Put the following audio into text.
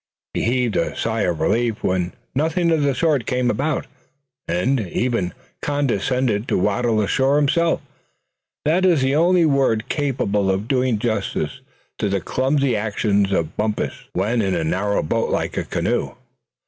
He heaved a sigh of relief when nothing of the sort came about; and even condescended to waddle ashore himself that is the only word capable of doing justice to the clumsy actions of Bumpus when in a narrow boat like a canoe.